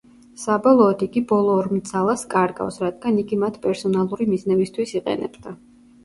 საბოლოოდ იგი ბოლო ორ ძალას კარგავს, რადგან იგი მათ პერსონალური მიზნებისთვის იყენებდა.